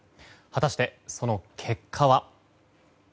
果たして、その結果は？